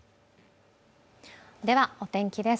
ではお天気です。